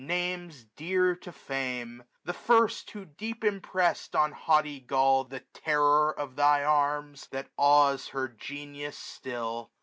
Names dear to Fame ; the first who deep impressed On haughty Gaul the terror of thy arms, 1485 That awes her genius still.